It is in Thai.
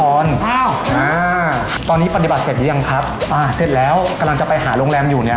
อ่าตอนนี้ปฏิบัติเสร็จหรือยังครับอ่าเสร็จแล้วกำลังจะไปหาโรงแรมอยู่เนี่ย